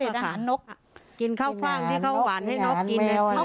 เศษอาหารนกค่ะกินข้าวฟั่งที่เขาหวานให้นอกกินแมวอะไร